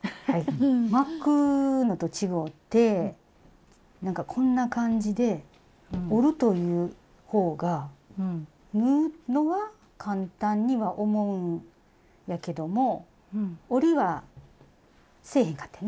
巻くのと違ってなんかこんな感じで折るという方が縫うのは簡単には思うんやけども折りはせえへんかってんね。